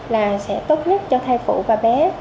là sẽ tốt nhất cho thai phụ và bé